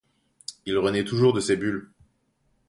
Il renaît toujours de ses bulles.